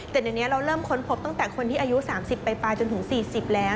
แต่เดี๋ยวนี้เราเริ่มค้นพบตั้งแต่คนที่อายุ๓๐ไปจนถึง๔๐แล้ว